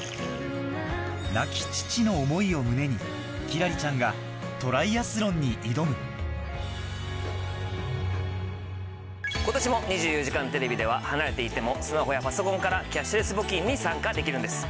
輝星ちゃんがトライアスロンに挑む今年も『２４時間テレビ』では離れていてもスマホやパソコンからキャッシュレス募金に参加できるんです。